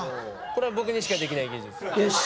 「これは僕にしかできない技術」よし！